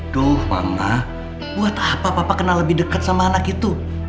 doh mama buat apa papa kenal lebih dekat sama anak itu